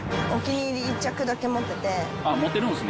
と持ってるんですね